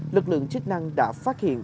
lực lượng chức năng đã phát hiện